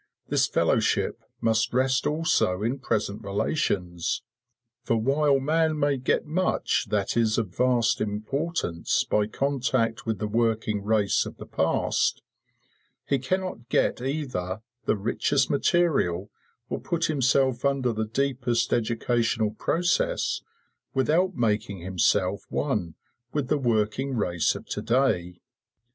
This fellowship must rest also in present relations; for while man may get much that is of vast importance by contact with the working race of the past, he cannot get either the richest material or put himself under the deepest educational process without making himself one with the working race of to day.